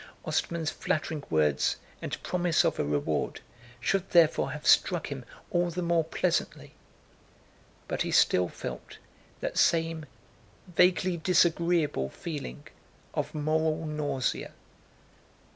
Ostermann's flattering words and promise of a reward should therefore have struck him all the more pleasantly, but he still felt that same vaguely disagreeable feeling of moral nausea.